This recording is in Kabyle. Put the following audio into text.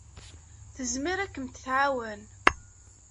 Tezmer ad kem-tɛawen.